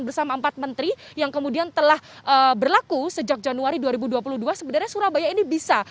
bersama empat menteri yang kemudian telah berlaku sejak januari dua ribu dua puluh dua sebenarnya surabaya ini bisa